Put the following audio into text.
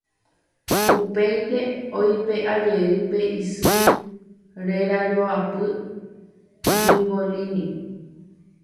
Upéinte oipeʼajey pe isy rerajoapy Bibolini.